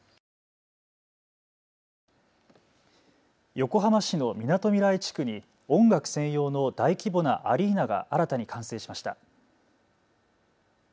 横浜市のみなとみらい地区に音楽専用の大規模なアリーナが新たに完成しました。